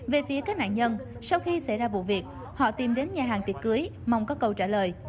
về phía các nạn nhân sau khi xảy ra vụ việc họ tìm đến nhà hàng tiệc cưới mong có câu trả lời